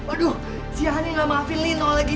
aduh si hani gak maafin linol lagi